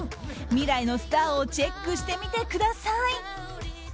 未来のスターをチェックしてみてください。